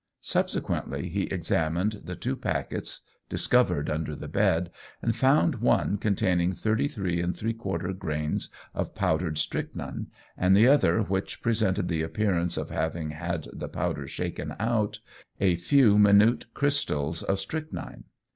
Subsequently he examined the two packets discovered under the bed, and found one contained 33¾ grains of powdered strychnine, and the other, which presented the appearance of having had the powder shaken out, a few minute crystals of strychnine.